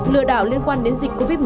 lừa đảo liên quan đến dịch covid một mươi